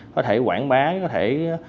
có thể quảng bá có thể